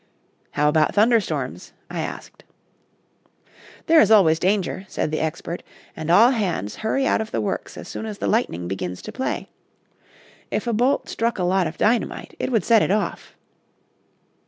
"How about thunder storms?" I asked. "There is always danger," said the expert, "and all hands hurry out of the works as soon as the lightning begins to play. If a bolt struck a lot of dynamite it would set it off."